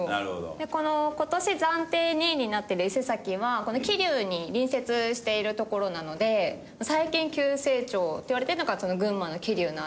今年暫定２位になってる伊勢崎はこの桐生に隣接している所なので最近急成長っていわれてるのが群馬の桐生の辺り。